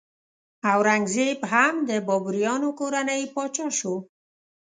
اورنګ زیب هم د بابریانو کورنۍ پاچا شو.